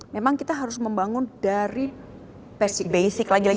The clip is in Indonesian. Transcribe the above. memang kita harus membangun dari basic